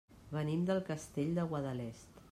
Venim del Castell de Guadalest.